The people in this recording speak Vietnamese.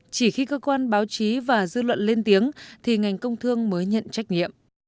chỉ khi cơ quan báo chí và dư luận lên tiếng thì ngành công thương mới nhận trách nhiệm